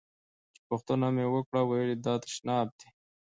چې پوښتنه مې وکړه ویل یې دا تشناب دی.